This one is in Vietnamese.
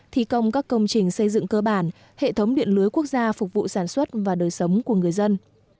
thi công các công trình xây dựng cơ bản hệ thống điện lưới quốc gia phục vụ sản xuất và đời sống của người dân